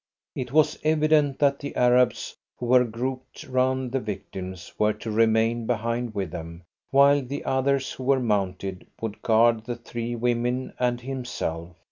It was evident that the Arabs who were grouped round the victims were to remain behind with them, while the others who were mounted would guard the three women and himself.